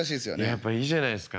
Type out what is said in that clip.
やっぱいいじゃないすか。